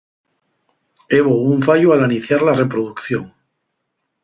Hebo un fallu al aniciar la reproducción.